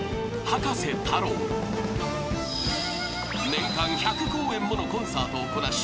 ［年間１００公演ものコンサートをこなし